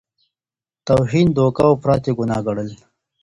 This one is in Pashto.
توهین، دوکه او افراط یې ګناه ګڼل.